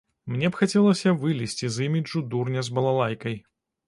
Мне б хацелася вылезці з іміджу дурня з балалайкай.